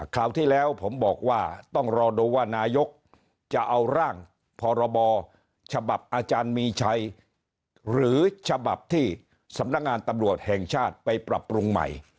คราวที่แล้วผมบอกว่าต้องรอดูว่านายกจะเอาร่างพรบฉบับอาจารย์มีชัยหรือฉบับที่สำนักงานตำรวจแห่งชาติไปปรับปรุงใหม่